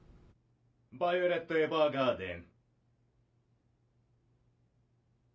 ヴァイオレット・エヴァーガーデン。